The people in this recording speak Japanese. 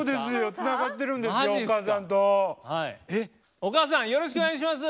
お母さんよろしくお願いします！